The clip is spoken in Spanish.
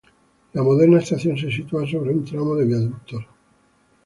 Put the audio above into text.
La moderna estación se sitúa sobre un tramo de viaductos.